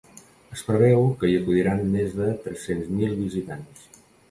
Es preveu que hi acudiran més de tres-cents mil visitants.